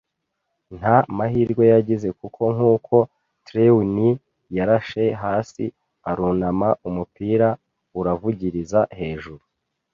nta mahirwe yagize, kuko nkuko Trelawney yarashe, hasi arunama, umupira uravugiriza hejuru